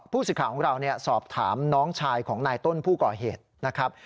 สิทธิ์ของเราสอบถามน้องชายของนายต้นผู้ก่อเหตุนะครับ